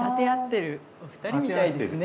お二人みたいですね。